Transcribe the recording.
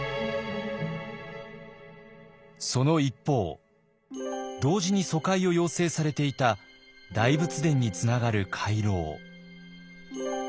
その一方同時に疎開を要請されていた大仏殿につながる廻廊。